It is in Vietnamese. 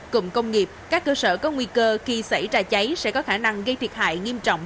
cùng công nghiệp các cơ sở có nguy cơ khi xảy ra cháy sẽ có khả năng gây thiệt hại nghiêm trọng